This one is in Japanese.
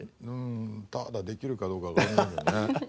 ただできるかどうかわからないけどね。